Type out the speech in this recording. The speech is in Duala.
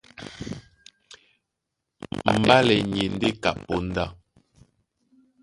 Mbálɛ ni e ndé ka póndá.